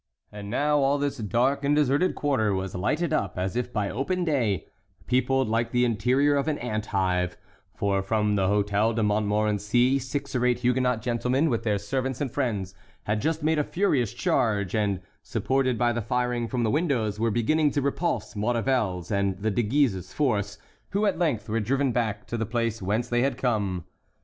And now all this dark and deserted quarter was lighted up, as if by open day,—peopled like the interior of an ant hive; for from the Hôtel de Montmorency six or eight Huguenot gentlemen, with their servants and friends, had just made a furious charge, and, supported by the firing from the windows, were beginning to repulse Maurevel's and the De Guises' force, who at length were driven back to the place whence they had come.